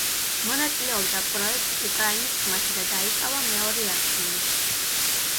მონაწილეობდა პროექტ „უკრაინის ხმაში“ და დაიკავა მეორე ადგილი.